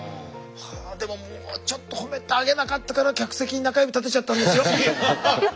でももうちょっと褒めてあげなかったから客席に中指立てちゃったんですよ。